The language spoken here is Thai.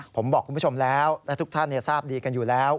ผมบอกคุณผู้ชมแล้วและทุกท่านทราบดีกันอยู่แล้ว